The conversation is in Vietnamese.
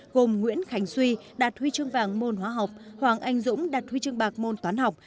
gồm nguyễn khánh suy đạt huy chương vàng môn hóa học hoàng anh dũng đạt huy chương bạc môn toán học